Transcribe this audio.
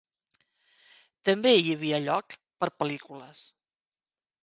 També hi havia lloc per a pel·lícules.